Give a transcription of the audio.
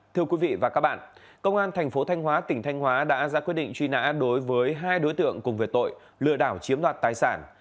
thưa quý vị và các bạn công an thành phố thanh hóa tỉnh thanh hóa đã ra quyết định truy nã đối với hai đối tượng cùng về tội lừa đảo chiếm đoạt tài sản